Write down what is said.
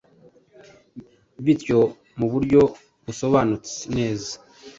bityo mu buryo busobanutse neza,